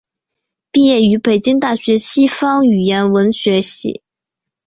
毕业于北京大学西方语言文学系。